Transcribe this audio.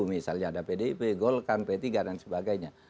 misalnya ada pdip golkar p tiga dan sebagainya